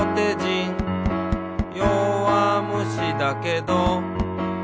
「よわむしだけど」